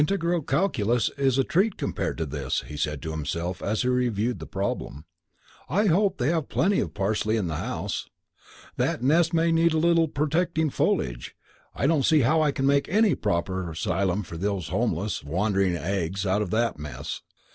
"Integral calculus is a treat compared to this," he said to himself as he reviewed the problem. "I hope they have plenty of parsley in the house. That nest may need a little protecting foliage. I don't see how I can make any kind of proper asylum for those homeless, wandering eggs out of that mess."